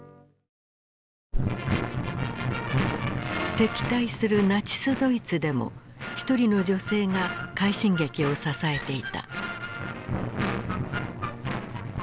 敵対するナチスドイツでも１人の女性が快進撃を支えていた。